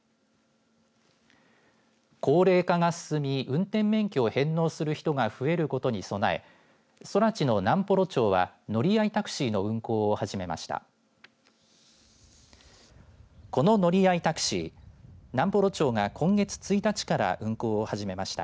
高齢化が進み運転免許を返納する人が増えることに備え空知の南幌町は乗り合いタクシーの運行を始めました。